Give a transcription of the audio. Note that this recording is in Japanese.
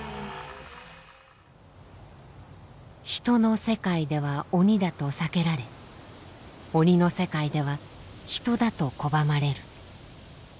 人の世界では「鬼だ」と避けられ鬼の世界では「人だ」と拒まれる。